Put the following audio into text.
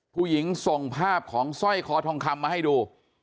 ผู้หญิงส่งภาพของสร้อยคอทองคำมาให้ดู